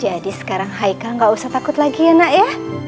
jadi sekarang haikal gak usah takut lagi ya nak ya